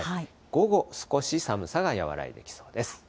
午後、少し寒さが和らいできそうです。